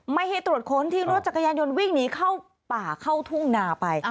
ไม่ให้ตรวจค้นที่รถจักรยานยนต์วิ่งหนีเข้าป่าเข้าทุ่งนาไป